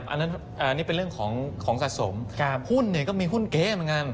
อันนั้นเรื่องของสะสมหุ้นก็มีหุ้นเก๋เหมือนกัน